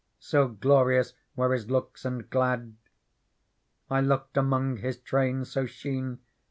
So glorious were His looks and glad. I looked among His train so sheen.